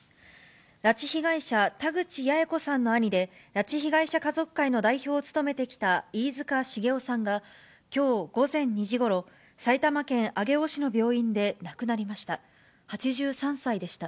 拉致被害者、田口八重子さんの兄で、拉致被害者家族会の代表を務めてきた飯塚繁雄さんがきょう午前２時ごろ、埼玉県上尾市の病院で亡くなりました。